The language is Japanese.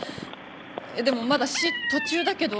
でもまだ詞途中だけど。